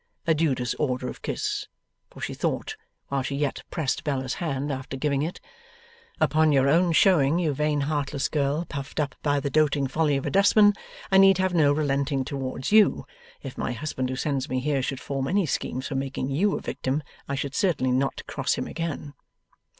A Judas order of kiss; for she thought, while she yet pressed Bella's hand after giving it, 'Upon your own showing, you vain heartless girl, puffed up by the doting folly of a dustman, I need have no relenting towards YOU. If my husband, who sends me here, should form any schemes for making YOU a victim, I should certainly not cross him again.